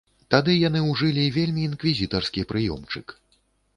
Тады яны ўжылі вельмі інквізітарскі прыёмчык.